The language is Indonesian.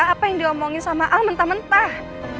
apa yang diomongin sama ah mentah mentah